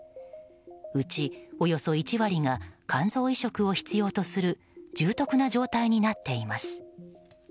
うちおよそ１割が肝臓移植を必要とする重篤な状態になっています。